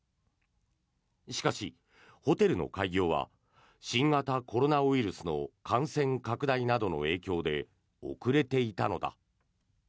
しかし、ホテルの開業は新型コロナウイルスの感染拡大などの影響で遅れていたのだ。